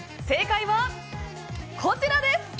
正解は、こちらです！